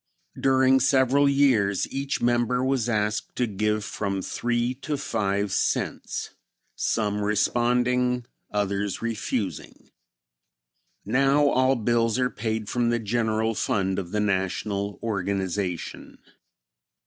During several years each member was asked to give from three to five cents; some responding, others refusing. Now all bills are paid from the general fund of the National organization.